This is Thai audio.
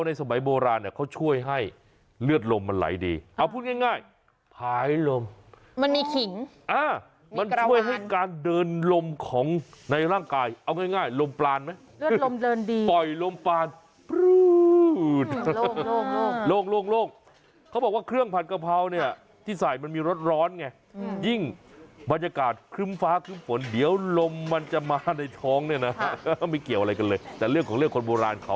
นี่รากและดอกกะเพราก็ใส่ลงไปแล้วก็หมดขยี้เลย